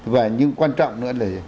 và nhưng quan trọng nữa là